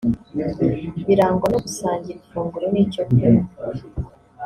birangwa no gusangira ifunguro n’icyo kunywa